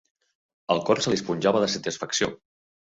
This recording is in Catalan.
El cor se li esponjava de satisfacció.